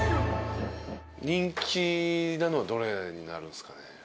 人気なのはどれになるんすかね？